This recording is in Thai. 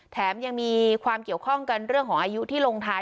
แถมยังมีความเกี่ยวข้องกันเรื่องของอายุที่ลงท้าย